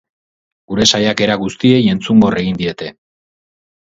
Gure saiakera guztiei entzungor egin diete.